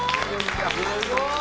すごい！